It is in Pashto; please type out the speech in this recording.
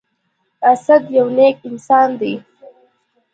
اسد يو نیک انسان دی.